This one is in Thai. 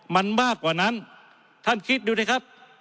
มันมากกว่านั้นท่านคิดดูสิครับ